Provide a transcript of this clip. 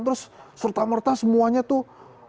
terus serta merta semuanya tuh